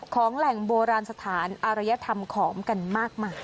ของแหล่งโบราณสถานอารยธรรมขอมกันมากมาย